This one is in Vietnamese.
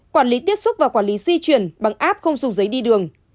quản lý tiếp xúc và quản lý di chuyển bằng app không dùng giấy đi đường